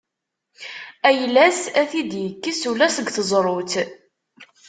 Ayla-s ad t-id-yekkes ula seg teẓrut.